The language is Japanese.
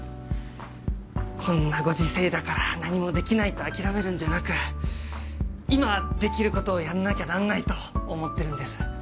こんなご時世だから何もできないと諦めるんじゃなく今できることをやんなきゃなんないと思ってるんです。